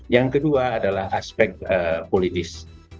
yang kedua adalah aspek politis